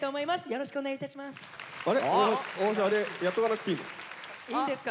よろしくお願いします！